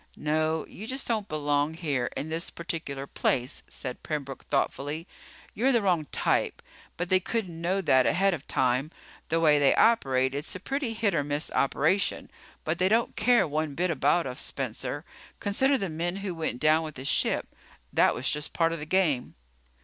"No. You just don't belong here, in this particular place," said Pembroke thoughtfully. "You're the wrong type. But they couldn't know that ahead of time. The way they operate it's a pretty hit or miss operation. But they don't care one bit about us, Spencer. Consider the men who went down with the ship. That was just part of the game."